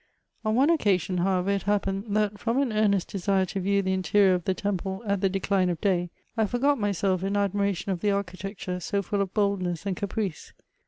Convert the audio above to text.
On one occasion, however, it happened, tiiat &om an earnest desire to view tiie interior of the temple at the decline of day, I forget myself in admiration of tiw architecture so fuU of boldness and caprice.